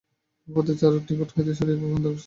ভূপতি চারুর নিকট হইতে সরিয়া বারান্দায় আসিল দাঁড়াইল।